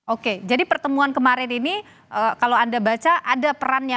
oke jadi pertemuan kemarin ini kalau anda baca ada perannya